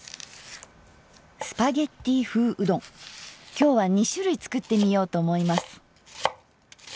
今日は２種類作ってみようと思います。